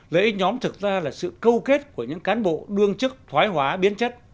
lợi ích nhóm thực ra là sự câu kết của những cán bộ đương chức thoái hóa biến chất